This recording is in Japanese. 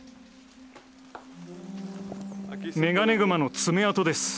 メガネグマの爪痕です。